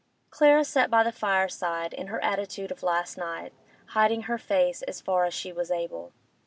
Clara sat by the fireside, in her attitude of last night, hiding her face as far as she was able.